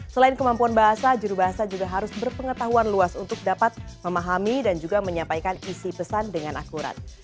selain kemampuan bahasa juru bahasa juga harus berpengetahuan luas untuk dapat memahami dan juga menyampaikan isi pesan dengan akurat